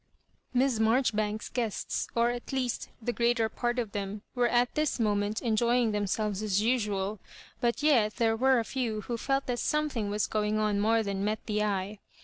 Miss Mabjoribanks's guests, or at least the greater part of them, were at this moment en joying themselves as usual ; but yet there were a few who felt jtbat something was going on more than met the eye.